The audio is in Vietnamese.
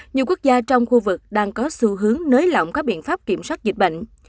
nhiều quốc gia trong khu vực đang có xu hướng nới lỏng các biện pháp kiểm soát dịch bệnh